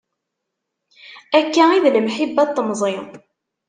Akka i d lemḥibba n temẓi.